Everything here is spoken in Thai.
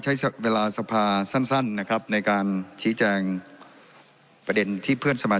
เชิญเพราะมันติสาธิตครับ